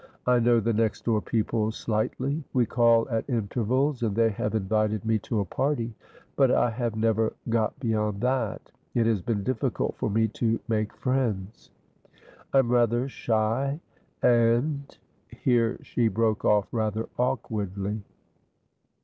I know the next door people slightly. We call at intervals, and they have invited me to a party, but I have never got beyond that. It has been difficult for me to make friends. I am rather shy and " here she broke off rather awkwardly.